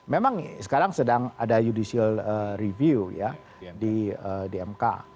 memang sekarang sedang ada judicial review ya di mk